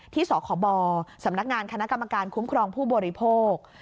สคบสำนักงานคณะกรรมการคุ้มครองผู้บริโภค